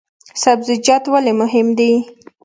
سبزیجات ولې مهم دي؟